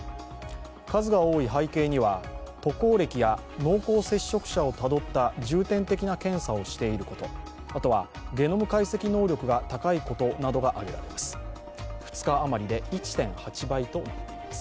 数が多い背景には渡航歴や濃厚接触者をたどった重点的な検査をしていること、あとは、ゲノム解析能力が高いことなどがあげられます。